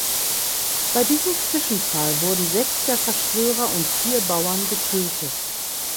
Bei diesem Zwischenfall wurden sechs der Verschwörer und vier Bauern getötet.